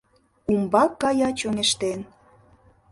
Умбак кая чоҥештен...